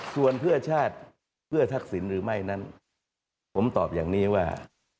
ส่วนเพื่อชาติเพื่อทักษิณหรือไม่นั้นผมตอบอย่างนี้ว่า